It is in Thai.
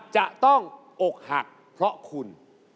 จะต้องอกหักเพราะคุณ